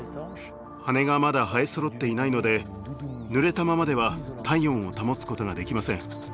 羽がまだ生えそろっていないのでぬれたままでは体温を保つことができません。